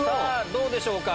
どうでしょうか？